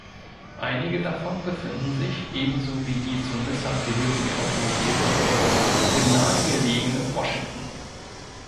Einige davon befinden sich, ebenso wie die zu Nissan gehörige Automobilfabrik, im nahegelegenen Washington.